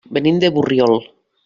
Venim de Borriol.